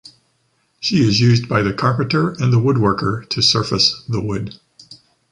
She is used by the carpenter and the woodworker to surface the wood.